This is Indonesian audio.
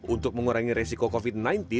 untuk mengurangi resiko covid sembilan belas